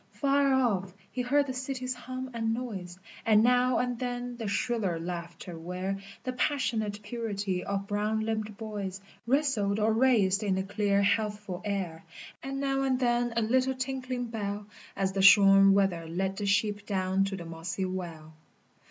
Far off he heard the city's hum and noise, And now and then the shriller laughter where The passionate purity of brown limbed boys Wrestled or raced in the clear healthful air, And now and then a little tinkling bell As the shorn wether led the sheep down to the mossy well.